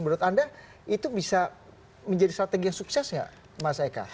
menurut anda itu bisa menjadi strategi yang sukses nggak mas eka